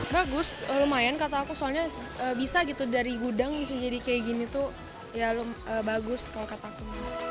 bagus lumayan kata aku soalnya bisa gitu dari gudang bisa jadi kayak gini tuh ya bagus kalau kataku